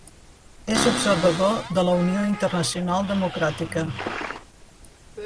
És observador de la Unió Internacional Democràtica.